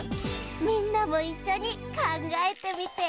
みんなもいっしょにかんがえてみて！